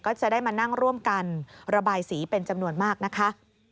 ก็จะได้มานั่งร่วมกันระบายสีเป็นจำนวนมากนะคะ